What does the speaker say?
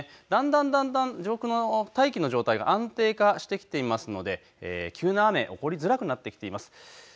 だんだん上空の大気の状態が不安定化してきていますので急な雨起こりづらくなってきています。